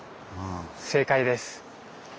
正解です。